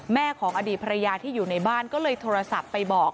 ของอดีตภรรยาที่อยู่ในบ้านก็เลยโทรศัพท์ไปบอก